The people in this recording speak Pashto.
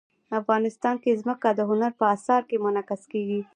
افغانستان کې ځمکه د هنر په اثار کې منعکس کېږي.